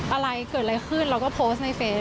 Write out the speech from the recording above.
อะไรเกิดอะไรขึ้นเราก็โพสต์ในเฟซ